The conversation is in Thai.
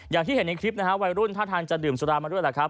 อย่างที่เห็นในคลิปนะฮะวัยรุ่นท่าทางจะดื่มสุรามาด้วยแหละครับ